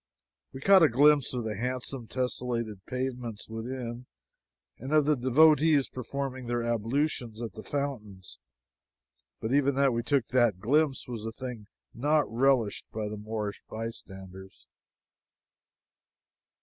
We caught a glimpse of the handsome tessellated pavements within and of the devotees performing their ablutions at the fountains, but even that we took that glimpse was a thing not relished by the Moorish bystanders.